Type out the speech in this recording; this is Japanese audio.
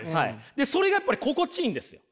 それがやっぱり心地いいんですよ。